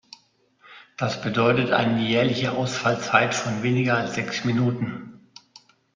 Das bedeutet eine jährliche Ausfallzeit von weniger als sechs Minuten.